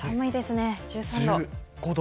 寒いですね、１３度。